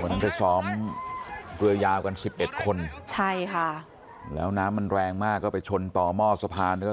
วันนั้นได้ซ้อมเรือยาวกัน๑๑คนแล้วน้ำมันแรงมากก็ไปชนต่อหม้อสะพาน